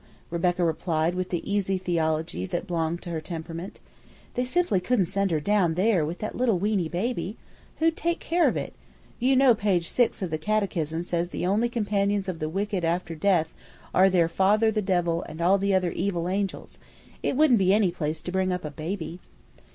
Rebecca replied with the easy theology that belonged to her temperament. "They simply couldn't send her DOWN THERE with that little weeny baby. Who'd take care of it? You know page six of the catechism says the only companions of the wicked after death are their father the devil and all the other evil angels; it wouldn't be any place to bring up a baby."